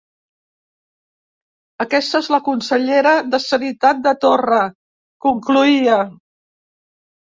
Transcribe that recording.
Aquesta és la consellera de sanitat de Torra, concloïa.